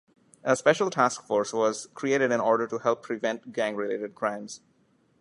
A special task force was created in order to help prevent gang-related crimes.